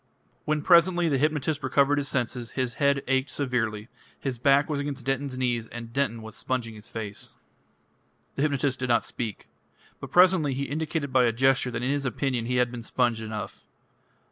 When presently the hypnotist recovered his senses, his head ached severely, his back was against Denton's knees and Denton was sponging his face. The hypnotist did not speak. But presently he indicated by a gesture that in his opinion he had been sponged enough.